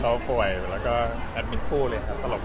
เขาป่วยแล้วก็แอดมินคู่เลยครับตลก